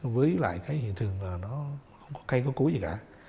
với lại cái hiện trường là nó không có cây có cúi gì cả